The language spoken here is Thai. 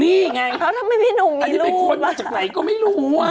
นี่ไงพี่หนุ่มไงอันนี้เป็นคนมาจากไหนก็ไม่รู้อ่ะ